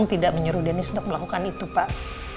tidak menyuruh denis untuk melakukan itu pak